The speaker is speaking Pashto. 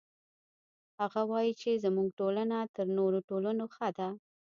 هغه وایي چې زموږ ټولنه تر نورو ټولنو ښه ده